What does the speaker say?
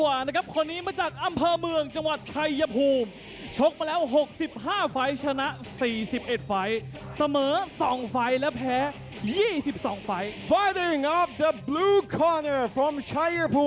และการพิจารณาที่ครับที่มี๔๑ตัวลูกที่๒๒และ๒ตัว